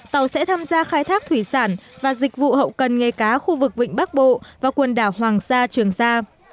tàu sẽ tham gia khai thác thủy sản và dịch vụ hậu cần nghề cá khu vực vịnh bắc bộ và quần đảo hoàng sa trường sa